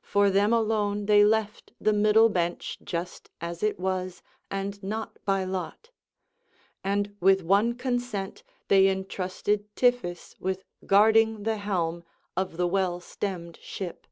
For them alone they left the middle bench just as it was and not by lot; and with one consent they entrusted Tiphys with guarding the helm of the well stemmed ship.